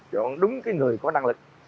chọn đúng người có năng lực